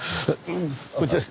こっちです。